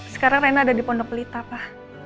sekarang reina ada di pondok pelita pak